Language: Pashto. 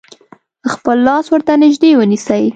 خپل لاس ورته نژدې ونیسئ.